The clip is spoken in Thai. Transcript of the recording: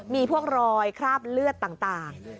มีพวกรอยคราบเลือดต่าง